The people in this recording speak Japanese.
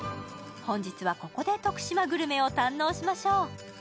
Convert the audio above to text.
本日はここで徳島グルメを堪能しましょう